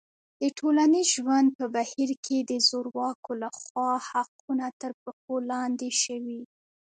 د ټولنیز ژوند په بهیر کې د زورواکو لخوا حقونه تر پښو لاندې شوي.